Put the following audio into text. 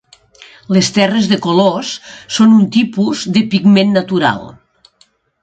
Les terres de colors són un tipus de pigment natural.